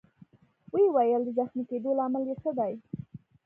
ويې ویل: د زخمي کېدو لامل يې څه دی؟